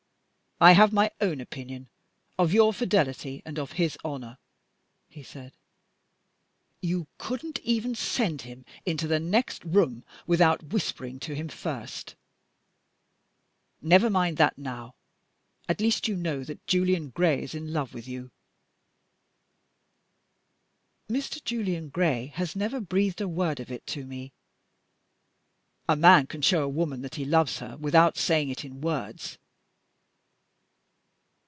"I have my own opinion of your fidelity and of his honor," he said. "You couldn't even send him into the next room without whispering to him first. Never mind that now. At least you know that Julian Gray is in love with you." "Mr. Julian Gray has never breathed a word of it to me." "A man can show a woman that he loves her, without saying it in words."